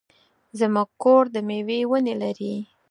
زمونږ کور د مېوې ونې لري.